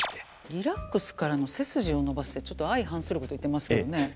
リラックスからの背筋を伸ばすってちょっと相反すること言ってますけどね。